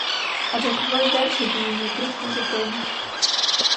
Адже коваль держить її як рідну дитину.